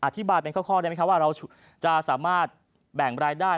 อธิบายเป็นข้อได้ไหมครับว่าเราจะสามารถแบ่งรายได้